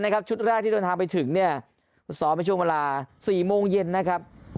นะครับชุดแรกที่ไปถึงเนี่ยซ้อมช่วงเวลา๔โมงเย็นนะครับ